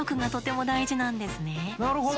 なるほど！